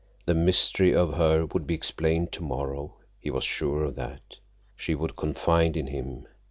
The mystery of her would be explained tomorrow. He was sure of that. She would confide in him.